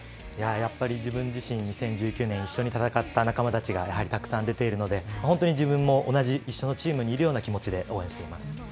やっぱり自分自身、２０１９年、一緒に戦った仲間たちがたくさん出ているので本当に自分も一緒のチームでいるような気持ちで応援しています。